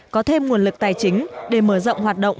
và hoạt động